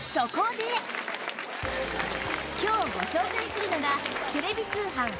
今日ご紹介するのがテレビ通販初登場！